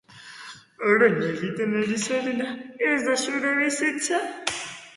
Orain egiten ari zarena ez da zure bizitza.